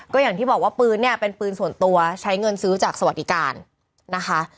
ก็อย่างที่บอกว่าปืนเนี่ยเป็นปืนส่วนตัวใช้เงินซื้อจากสวัสดิการนะคะ